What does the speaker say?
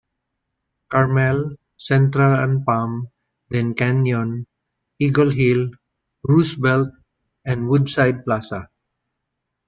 Carmel, Central and Palm then Canyon, Eagle Hill, Roosevelt, and Woodside Plaza.